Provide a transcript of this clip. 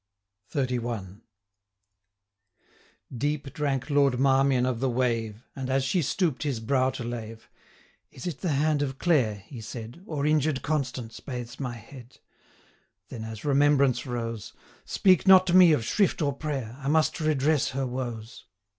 XXXI. Deep drank Lord Marmion of the wave, And, as she stoop'd his brow to lave 'Is it the hand of Clare,' he said, 935 'Or injured Constance, bathes my head?' Then, as remembrance rose, 'Speak not to me of shrift or prayer! I must redress her woes.